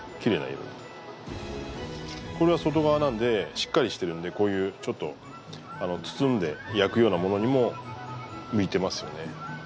これは外側なのでしっかりしているのでこういうちょっと包んで焼くような物にも向いてますよね。